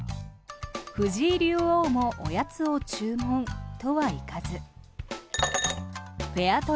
藤井竜王もおやつを注文とはいかずフェア